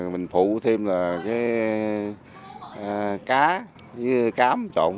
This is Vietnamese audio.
mình phụ thêm là cái cá với cám trộn